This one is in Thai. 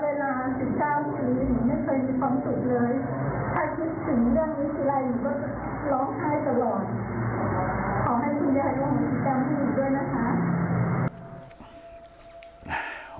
ขอให้คุณยายร้องบ้างด้วยนะคะ